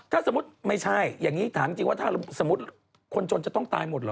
ถ้าสมมุติไม่ใช่อย่างนี้ถามจริงว่าถ้าสมมุติคนจนจะต้องตายหมดเหรอ